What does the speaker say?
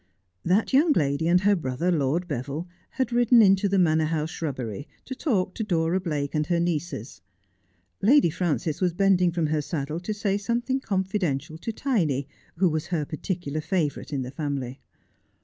That young lady and her brother, Lord Beville, had ridden into the Manor House shrubbery to talk to Dora Blake and her nieces. Lady Frances was bending from her saddle to say some thing confidential to Tiny, who was her particular favourite in the family.